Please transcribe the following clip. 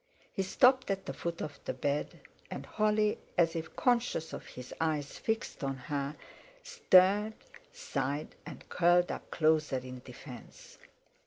He stopped at the foot of the bed; and Holly, as if conscious of his eyes fixed on her, stirred, sighed, and curled up closer in defence.